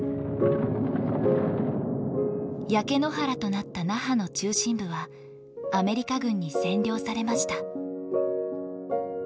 焼け野原となった那覇の中心部はアメリカ軍に占領されました